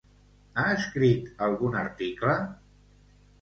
Ha escrit algun article?